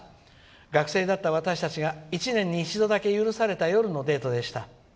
学生だった私たちが１年に一度だけ許された夜のデートでした。